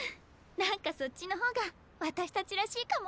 何かそっちの方が私たちらしいかも。